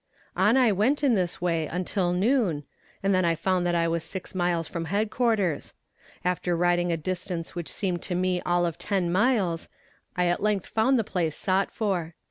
On I went in this way until noon, and then found that I was six miles from headquarters. After riding a distance which seemed to me all of ten miles, I at length found the place sought for.